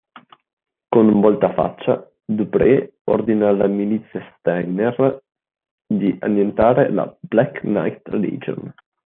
Con un voltafaccia, Dupree ordina alla milizia Steiner di annientare la "Black Knight Legion".